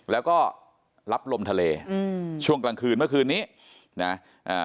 แล้วก็รับลมทะเลอืมช่วงกลางคืนเมื่อคืนนี้นะอ่า